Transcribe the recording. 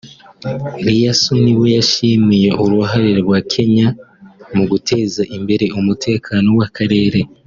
Eliasson we yashimiye uruhare rwa Kenya mu guteza imbere umutekano mu karere